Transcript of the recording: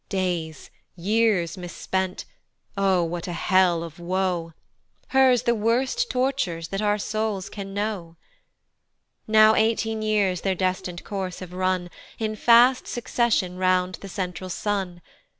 Days, years mispent, O what a hell of woe! Hers the worst tortures that our souls can know. Now eighteen years their destin'd course have run, In fast succession round the central sun.